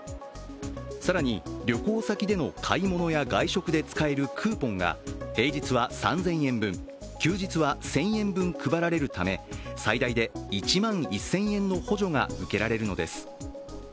更に、旅行先での買い物や外食で使えるクーポンが平日は３０００円分、休日は１０００円分配られるため、最大で１万１０００円の補助が受けられるのです。